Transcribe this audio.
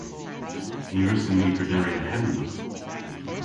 Ny wrussyn ni prederi a henna.